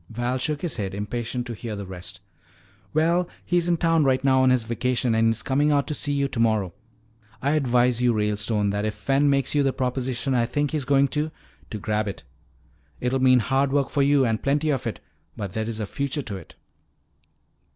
Val shook his head, impatient to hear the rest. "Well, he's in town right now on his vacation and he's coming out to see you tomorrow. I advise you, Ralestone, that if Fen makes you the proposition I think he's going to, to grab it. It'll mean hard work for you and plenty of it, but there is a future to it."